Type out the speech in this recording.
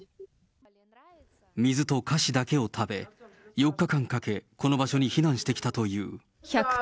水と菓子だけを食べ、４日間かけ、この場所に避難してきたという。